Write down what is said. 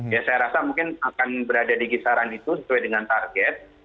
ya saya rasa mungkin akan berada di kisaran itu sesuai dengan target